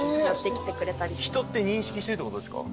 人って認識してるってことですか。